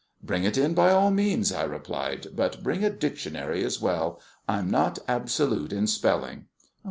"Bring it in, by all means," I replied, "but bring a dictionary as well; I'm not absolute in spelling."